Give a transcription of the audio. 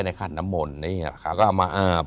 ในขัดน้ำมนฮะก็เอามาอาบ